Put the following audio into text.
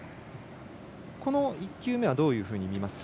この１球目はどういうふうに見ますか。